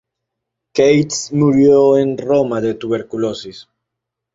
Keats murió en Roma de tuberculosis.